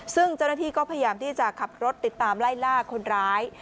ซึ่งเจ้าหน้าที่ก็พยายามที่จะขับรถติดตามไล่ล่าคนร้าย